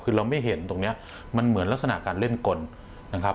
คือเราไม่เห็นตรงนี้มันเหมือนลักษณะการเล่นกลนะครับ